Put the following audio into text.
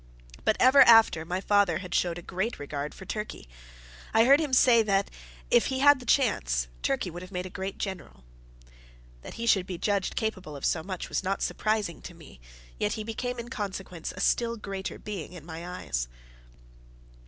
But ever after my father showed a great regard for Turkey. I heard him say once that, if he had had the chance, Turkey would have made a great general. That he should be judged capable of so much, was not surprising to me; yet he became in consequence a still greater being in my eyes.